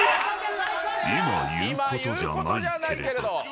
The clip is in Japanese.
いま言うことじゃないけれど。